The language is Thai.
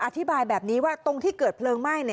อธิบายแบบนี้ว่าตรงที่เกิดเพลิงไหม้